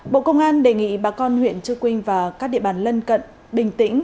bộ công an đề nghị bà con huyện chư quynh và các địa bàn lân cận bình tĩnh